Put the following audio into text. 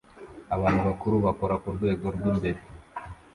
abantu bakuru bakora kurwego rwimbere